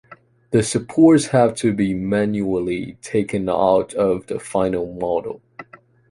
The supports have to be manually taken out of the final model.